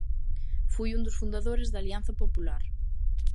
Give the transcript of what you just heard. Foi un dos fundadores de Alianza Popular.